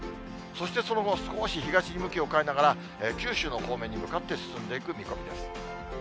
そしてその後、少し東へ向きを変えながら、九州の方面に向かって進んでいく見込みです。